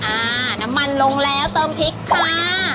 อ่าน้ำมันลงแล้วเติมพริกค่ะ